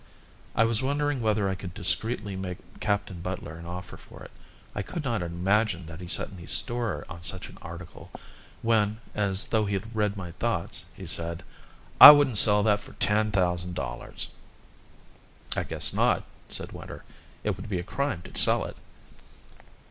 I was wondering whether I could discreetly make Captain Butler an offer for it, I could not imagine that he set any store on such an article, when, as though he read my thoughts, he said: "I wouldn't sell that for ten thousand dollars." "I guess not," said Winter. "It would be a crime to sell it."